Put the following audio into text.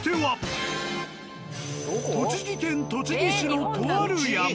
栃木県栃木市のとある山。